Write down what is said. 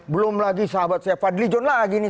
belum lagi sahabat saya fadli john lagi nih